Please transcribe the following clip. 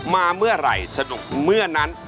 มาเมื่อไหร่สนุกเมื่อนั้น